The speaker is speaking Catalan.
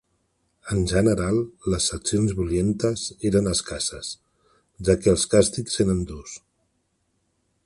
En general, les accions violentes eren escasses, ja que els càstigs eren durs.